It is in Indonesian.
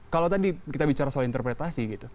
kalau tadi kita bicara soal interpretasi gitu